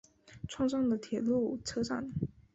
串站的铁路车站。